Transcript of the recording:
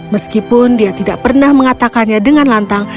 meskipun dia tidak pernah mengatakannya dengan lantang